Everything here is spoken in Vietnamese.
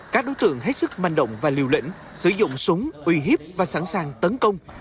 các đối tượng hết sức manh động và liều lĩnh sử dụng súng uy hiếp và sẵn sàng tấn công